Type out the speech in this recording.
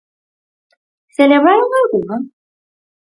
¿Celebraron algunha?